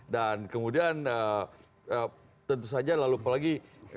dan kemudian tentu saja lalu apalagi